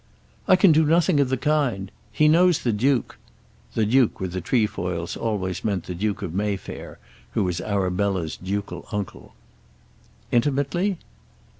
"I can do nothing of the kind. He knows the Duke." The Duke with the Trefoils always meant the Duke of Mayfair who was Arabella's ducal uncle. "Intimately?"